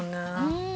うん。